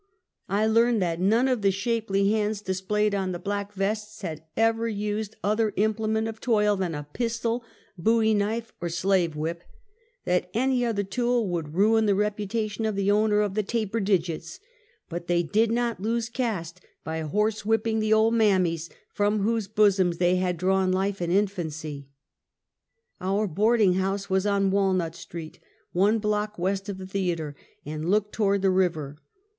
I learned that none of the shapely hands displayed on the black vests, had ever used other implement of toil than a pistol, bowie knife or slave whip ; that any other tool w^ould ruin the reputation of the owner of the taper digits ; but they did not lose caste by horse whipping the old mammys from whose bosoms they had drawn life in infancy. Our boarding house was on Walnut street, one block west of the theatre, and looked toward the river.